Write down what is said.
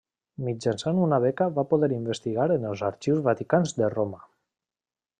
Mitjançant una beca va poder investigar en els Arxius Vaticans de Roma.